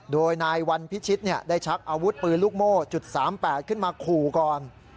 โดยนายวันพิชิตได้ชักอาวุธปืนลูกโม่จุด๓๘ขึ้นมาขู่ก่อน